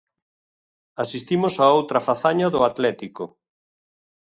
Asistimos a outra fazaña do Atlético.